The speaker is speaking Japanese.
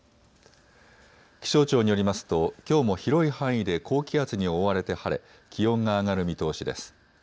気象庁によりますときょうも広い範囲で高気圧に覆われて晴れ気温が上がる見通しです。